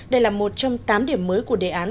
đây là một trong tám điểm mới của đề án